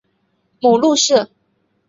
母陆氏。